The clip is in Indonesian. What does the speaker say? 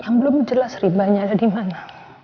yang belum jelas ribanya ada dimana